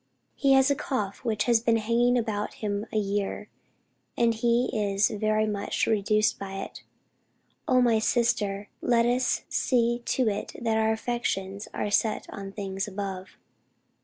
He has a cough which has been hanging about him a year, and he is very much reduced by it.... Oh my sister, let us see to it that our affections are set on things above."